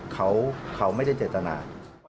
เขาไม่ได้เจตนา